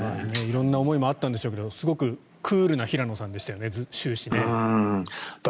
色んな思いもあったんでしょうけど終始、すごくクールな平野さんでしたよね。